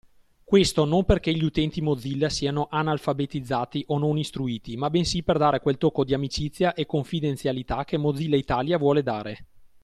Questo non perché gli utenti Mozilla siano "analfabetizzati" o "non istruiti", ma bensì per dare quel tocco di "amicizia" e "confidenzialità" che Mozilla Italia vuole dare.